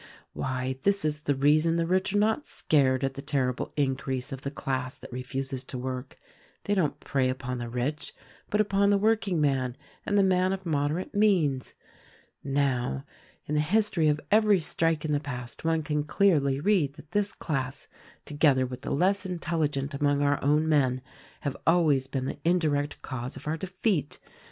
Why, this is the reason the rich are not scared at the ter rible increase of the class that refuses to work. They don't prey upon the rich, but upon the workingman and the man of moderate means. "Now, in the history of every strike in the past one can clearly read that this class — together with the less intelli gent among our own men — have always been the indirect cause of our defeat.